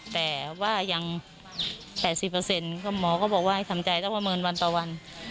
แต่ว่ายัง๘๐ก็หมอก็บอกว่าให้ทำใจต้องประเมินวันต่อวัน